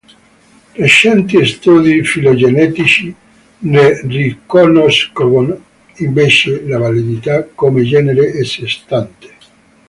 Recenti studi filogenetici ne riconoscono invece la validità come genere a sé stante.